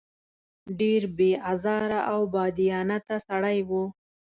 ډېر بې آزاره او بادیانته سړی و.